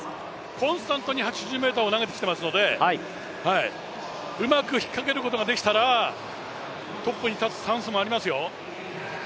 コンスタントに８０ｍを投げてきていますのでうまく引っかけることができたら、トップに立つチャンスもありますよ。